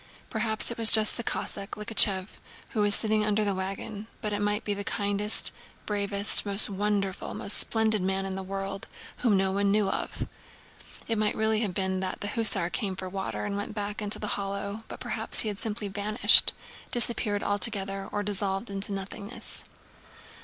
Perhaps it was just the Cossack, Likhachëv, who was sitting under the wagon, but it might be the kindest, bravest, most wonderful, most splendid man in the world, whom no one knew of. It might really have been that the hussar came for water and went back into the hollow, but perhaps he had simply vanished—disappeared altogether and dissolved into nothingness.